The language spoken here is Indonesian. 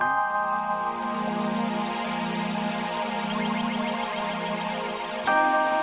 ya yaudah gue jalan